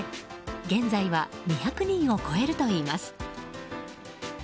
現在は２００人を超えるといいます。